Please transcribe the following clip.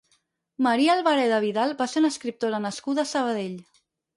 Maria Albareda Vidal va ser una escriptora nascuda a Sabadell.